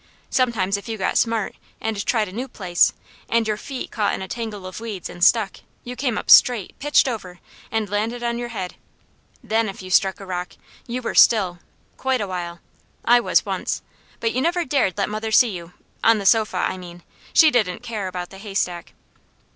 Sometimes if you got smart, and tried a new place, and your feet caught in a tangle of weeds and stuck, you came up straight, pitched over, and landed on your head. THEN if you struck a rock, you were still, quite a while. I was once. But you never dared let mother see you on the sofa, I mean; she didn't care about the haystack.